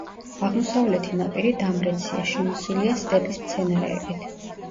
აღმოსავლეთი ნაპირი დამრეცია, შემოსილია სტეპის მცენარეებით.